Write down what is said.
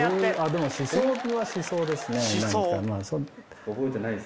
でもしそうはしそうですね。